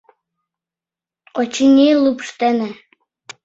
Очыни, лупш дене.